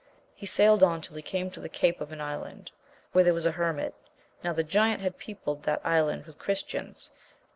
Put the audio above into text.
He sailed on till he came to the cape of an island, where there was a hermit : now the giant had peopled that island with Christians^ ancj.